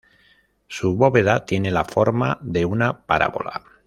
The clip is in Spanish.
Su bóveda tiene la forma de una parábola.